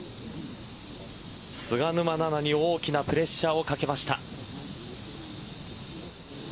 菅沼菜々に大きなプレッシャーをかけました。